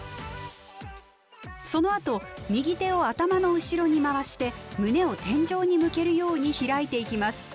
そのあと右手を頭の後ろに回して胸を天井に向けるように開いていきます。